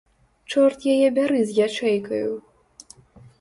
Чорт яе бяры з ячэйкаю.